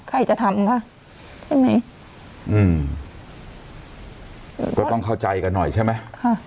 ใครจะทำค่ะใช่ไหมอืมก็ต้องเข้าใจกันหน่อยใช่ไหมค่ะ